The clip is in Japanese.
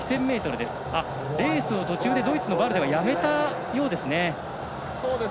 レースを途中でドイツのバルデがやめたようです。